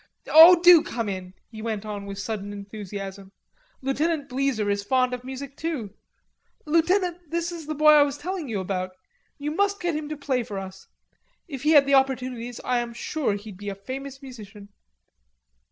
"Oh, do come in"; he went on, with sudden enthusiasm. "Lieutenant Bleezer is fond of music too.... Lieutenant, this is the boy I was telling you about. We must get him to play for us. If he had the opportunities, I am sure he'd be a famous musician."